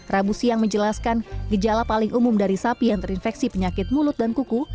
rabu siang menjelaskan gejala paling umum dari sapi yang terinfeksi penyakit mulut dan kuku